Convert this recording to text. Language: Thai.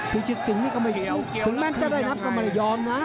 พิชิตสิงห์นี่ก็ถึงแม้จะได้นับก็ไม่ได้ยอมนะ